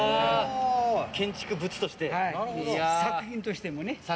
建築物として、作品としてもね。